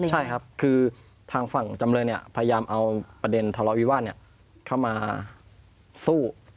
ใช่ครับคือทางฝั่งจำเลยพยายามเอาประเด็นทะเลาวิวาสเข้ามาสู้